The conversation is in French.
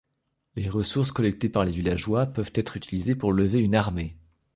Les ressources collectées par les villageois peuvent être utilisées pour lever une armée.